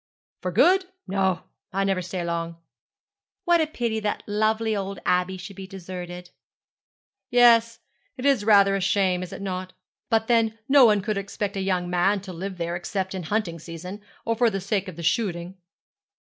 'For good! No, I never stay long.' 'What a pity that lovely old Abbey should be deserted!' 'Yes, it is rather a shame, is it not? But then no one could expect a young man to live there except in the hunting season or for the sake of the shooting.'